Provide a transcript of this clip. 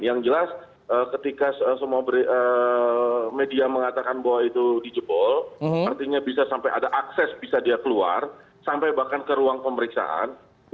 yang jelas ketika semua media mengatakan bahwa itu dijebol artinya bisa sampai ada akses bisa dia keluar sampai bahkan ke ruang pemeriksaan